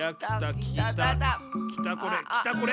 きたこれきたこれ！